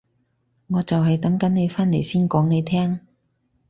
我就係等緊你返嚟先講你聽